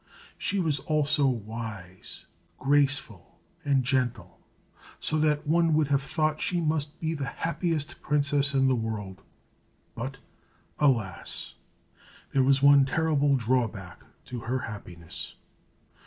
She was also wise, graceful, and gentle, so that one would have thought she must be the happiest princess in the world. But, alas! there was one terrible drawback to her happiness.